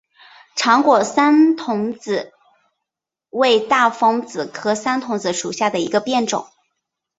长果山桐子为大风子科山桐子属下的一个变种。